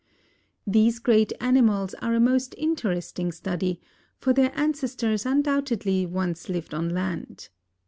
These great animals are a most interesting study, for their ancestors undoubtedly once lived on land.